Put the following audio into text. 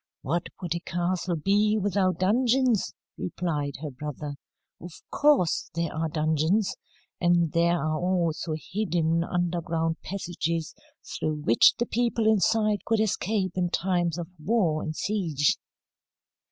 "What would a castle be without dungeons?" replied her brother. "Of course there are dungeons. And there are also hidden, underground passages through which the people inside could escape in times of war and siege."